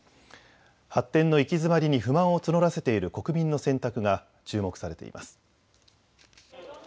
発展の行き詰まりに不満を募らせている国民の選択が注目されています。